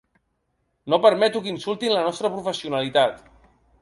No permeto que insultin la nostra professionalitat.